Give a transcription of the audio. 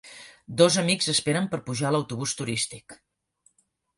Dos amics esperen per pujar a l'autobús turístic.